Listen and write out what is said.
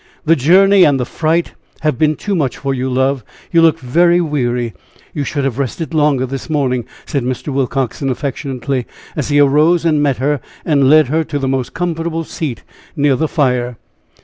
"The journey and the fright have been too much for you, love; you look very weary; you should have rested longer this morning," said Mr. Willcoxen, affectionately, as he arose and met her and led her to the most comfortable seat near the fire.